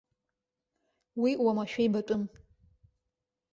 Уи уамашәа ибатәым.